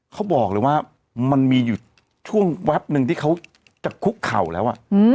เขาบอกเลยว่ามันมีอยู่ช่วงแวบหนึ่งที่เขาจะคุกเข่าแล้ว